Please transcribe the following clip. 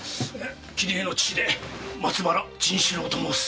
桐江の父で松原甚四郎と申す。